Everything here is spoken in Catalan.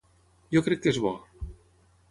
Jo crec que és bo.